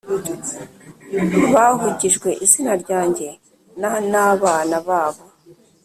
Bahugijwe izina ryanjye na nabana babo